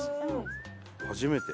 初めて。